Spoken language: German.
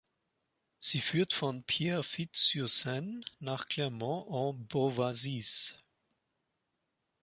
Sie führt von Pierrefitte-sur-Seine nach Clermont-en-Beauvaisis.